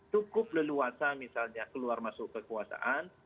cukup leluasa misalnya keluar masuk kekuasaan